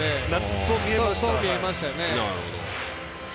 そう見えましたよね。